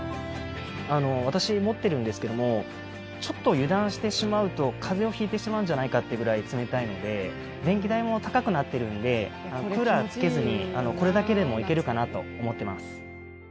私、持ってるんですけどもちょっと油断してしまうと風邪を引いてしまうんじゃないかっていうくらい冷たいので電気代も高くなっているのでクーラーをつけずにこれだけでもいけるかなと思ってます。